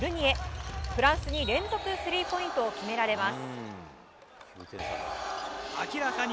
フランスに連続スリーポイントを決められます。